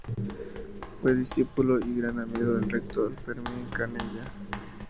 Fue discípulo y gran amigo del rector Fermín Canella.